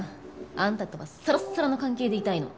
あんたとはサラッサラの関係でいたいの。